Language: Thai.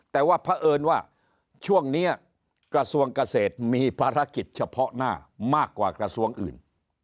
แต่ว่าเพราะเอิญว่าช่วงนี้กระทรวงเกษตรมีภารกิจเฉพาะหน้ามากกว่ากระทรวงอื่น